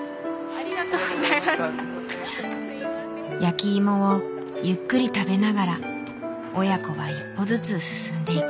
焼きいもをゆっくり食べながら親子は一歩ずつ進んでいく。